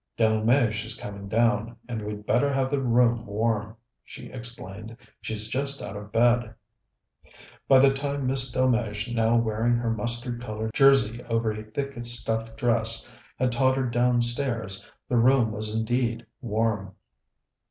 "Delmege is coming down, and we'd better have the room warm," she explained. "She's just out of bed." By the time Miss Delmege, now wearing her mustard coloured jersey over a thick stuff dress, had tottered downstairs, the room was indeed warm.